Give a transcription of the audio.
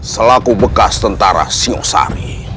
selaku bekas tentara syosari